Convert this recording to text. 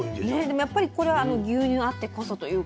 でもやっぱりこれあの牛乳あってこそというか。